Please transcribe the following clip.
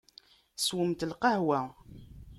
Swemt lqahwa.